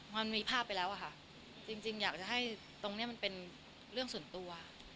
มันมีภาพไปแล้วอะค่ะจริงอยากจะให้ตรงนี้มันเป็นเรื่องส่วนตัว